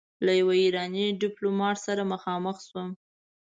له يوه ايراني ډيپلومات سره مخامخ شوم.